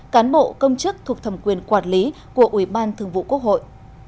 cán bộ công chức thuộc thẩm quyền quản lý của ủy ban thường vụ quốc hội